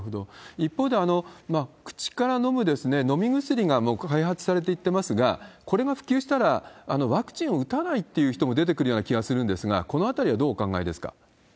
一方で、口から飲む飲み薬がもう開発されていってますが、これが普及したらワクチンを打たないって人も出てくるような気がするんですが、このあたりはどうお考えですか。